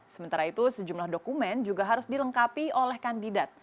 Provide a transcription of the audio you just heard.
sementara itu sejumlah dokumen juga harus dilengkapi oleh kandidat